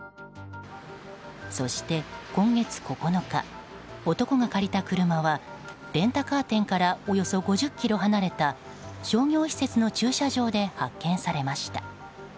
そして今月９日男が借りた車はレンタカー店からおよそ５０ｋｍ離れた商業施設の駐車場で発見されました。